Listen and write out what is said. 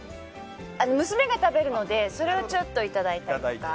娘が食べるのでそれをちょっといただいたりとか。